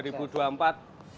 semoga berhasil semoga berhasil